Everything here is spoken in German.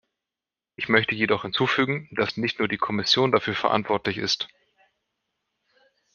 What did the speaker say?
Ich möchte jedoch hinzufügen, dass nicht nur die Kommission dafür verantwortlich ist.